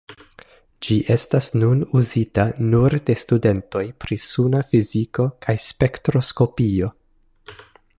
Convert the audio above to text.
Ĝi estas nun uzita nur de studentoj pri suna fiziko kaj spektroskopio.